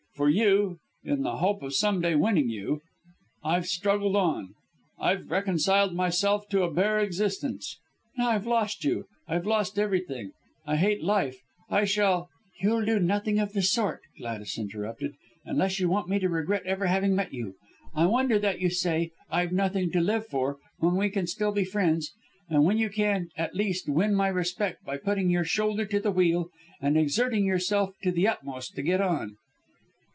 For you in the hope of someday winning you, I've struggled on; I've reconciled myself to a bare existence. Now I've lost you, I've lost everything. I hate life. I shall " "You'll do nothing of the sort," Gladys interrupted, "unless you want me to regret ever having met you. I wonder that you say 'I've nothing to live for' when we can still be friends; and when you can, at least, win my respect, by putting your shoulder to the wheel, and exerting yourself to the utmost to get on."